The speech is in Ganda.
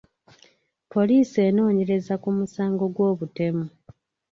Poliisi enoonyereza ku musango gw'obutemu.